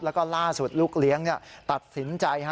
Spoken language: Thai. แล้วก็ล่าสุดลูกเลี้ยงตัดสินใจ